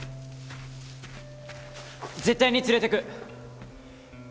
絶対に連れていく！